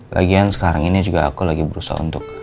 lagian sekarang ini aku juga lagi berusaha untuk